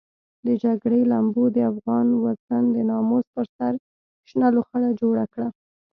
د جګړې لمبو د افغان وطن د ناموس پر سر شنه لوخړه جوړه کړه.